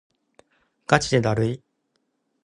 がちでだるい